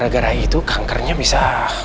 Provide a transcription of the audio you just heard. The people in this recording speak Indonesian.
dan gara gara itu kankernya bisa